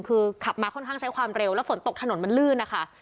คือขับมาค่อนข้างใช้ความเร็วแล้วฝนตกถนนมันลื่นนะคะ